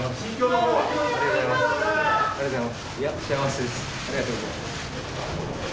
ありがとうございます。